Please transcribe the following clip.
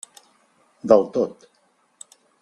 Del tot.